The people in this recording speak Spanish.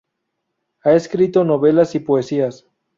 Ha escrito novelas y poesías.